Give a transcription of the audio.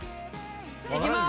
いきまーす。